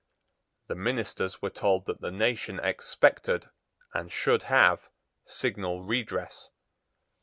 The ministers were told that the nation expected, and should have, signal redress.